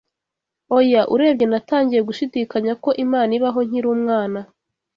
Oya. Urebye natangiye gushidikanya ko Imana ibaho nkiri umwana